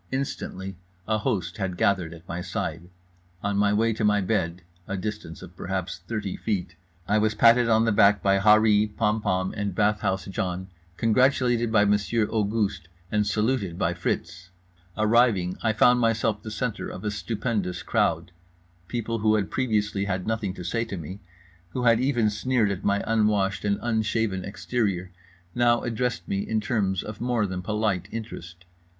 Instantly a host had gathered at my side. On my way to my bed—a distance of perhaps thirty feet—I was patted on the back by Harree, Pompom and Bathhouse John, congratulated by Monsieur Auguste, and saluted by Fritz. Arriving, I found myself the centre of a stupendous crowd. People who had previously had nothing to say to me, who had even sneered at my unwashed and unshaven exterior, now addressed me in terms of more than polite interest.